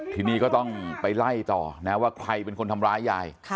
ทีนี้ก็ต้องไปไล่ต่อนะว่าใครเป็นคนทำร้ายยาย